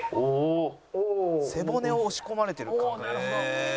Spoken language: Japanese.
「背骨を押し込まれてる感覚」